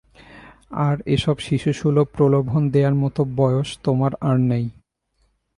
আর এসব শিশুসুলভ প্রলোভন দেয়ার মতো বয়স তোমার আর নেই।